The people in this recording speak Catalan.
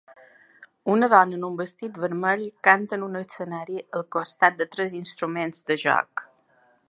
Una dona en un vestit vermell canta en un escenari al costat de tres instruments de joc